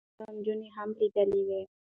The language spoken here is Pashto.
هغې نورې نجونې هم لیدلې وې.